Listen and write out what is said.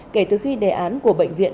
kể từ khi đề án của bệnh viện